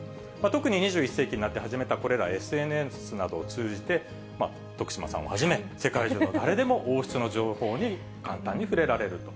特に２１世紀になって始めたこれら、ＳＮＳなどを通じて、徳島さんをはじめ、世界中の誰でも、王室の情報に簡単に触れられると。